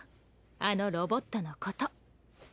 あのロボットのこと。